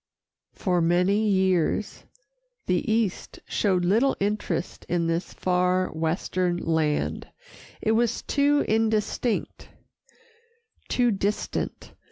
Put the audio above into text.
For many years, the East showed little interest in this far western land it was too indistinct, too distant.